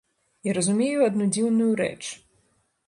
І разумею адну дзіўную рэч.